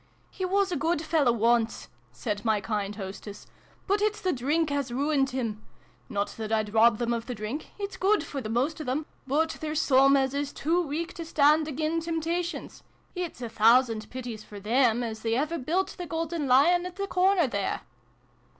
"He was a good fellow once," said my kind hostess :" but it's the drink has ruined him ! Not that I'd rob them of the v] MATILDA JANE. 71 drink it's good for the most of them but there's some as is too weak to stand agin' temptations : it's a thousand pities, for them, as they ever built the Golden Lion at the corner there